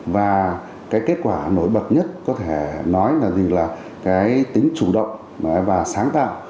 và kết quả nổi bật nhất có thể nói là tính chủ động và sáng tạo